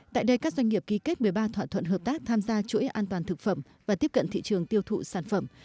tại đây các doanh nghiệp ký kết một mươi ba thỏa thuận hợp tác tham gia chuỗi an toàn thực phẩm và tiếp cận thị trường tiêu thụ sản phẩm